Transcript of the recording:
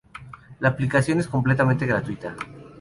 La aplicación es completamente gratuita.